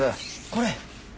これ！